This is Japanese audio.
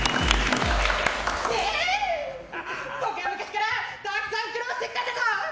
僕は昔からたくさん苦労してきたんだぞ！